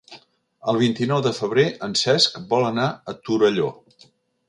El vint-i-nou de febrer en Cesc vol anar a Torelló.